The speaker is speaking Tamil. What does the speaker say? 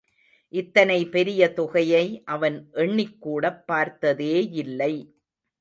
இத்தனை பெரிய தொகையை அவன் எண்ணிக் கூடப் பார்த்ததேயில்லை.